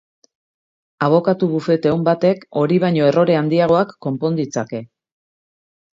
Abokatu bufete on batek hori baino errore handiagoak konpon ditzake.